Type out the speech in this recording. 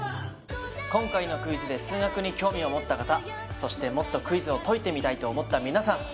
今回のクイズで数学に興味を持った方そしてもっとクイズを解いてみたいと思った皆さん